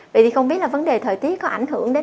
vậy thì không biết là vấn đề thời tiết có ảnh hưởng đến